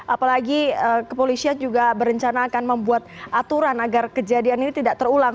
apalagi kepolisian juga berencana akan membuat aturan agar kejadian ini tidak terulang